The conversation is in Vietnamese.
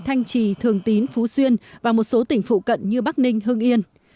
thanh trì thường tín phú xuyên và một số tỉnh phụ cận như bắc ninh hưng yên